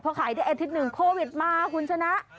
พอขายได้อาทิตย์หนึ่งโควิดมาคุณชนะ